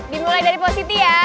dimulai dari positif ya